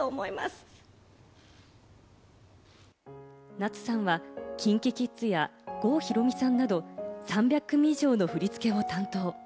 夏さんはＫｉｎＫｉＫｉｄｓや郷ひろみさんなど、３００組以上の振付を担当。